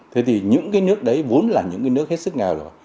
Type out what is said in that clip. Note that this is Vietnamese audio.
thế thì những cái nước đấy vốn là những cái nước hết sức nghèo rồi